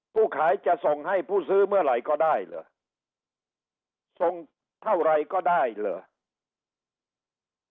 ผู้ขายจะส่งให้ผู้ซื้อเมื่อไหร่ก็ได้เหรอส่งเท่าไรก็ได้เหรอ